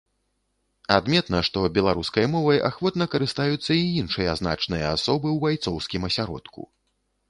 Адметна, што беларускай мовай ахвотна карыстаюцца і іншыя значныя асобы ў байцоўскім асяродку.